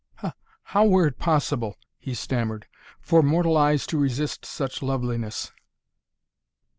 "How were it possible," he stammered, "for mortal eyes to resist such loveliness?"